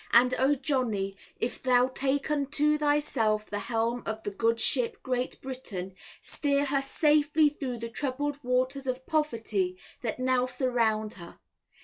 And O Johnny, if thou take unto thyself the helm of the good ship Great Britain, steer her safely through the troubled waters of poverty that now surround her.